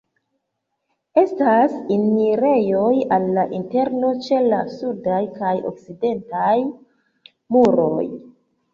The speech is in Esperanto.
Estas enirejoj al la interno ĉe la sudaj kaj okcidentaj muroj.